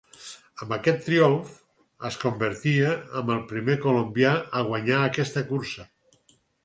Amb aquest triomf es convertia en el primer colombià a guanyar aquesta cursa.